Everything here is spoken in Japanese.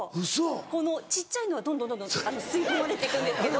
この小っちゃいのどんどん吸い込まれていくんですけど。